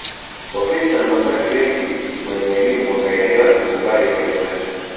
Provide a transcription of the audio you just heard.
Wakristo na mapadri wengi wenye elimu wakaelewa na kukubali hoja zake